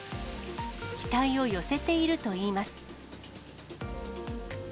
期待を寄せているといいます。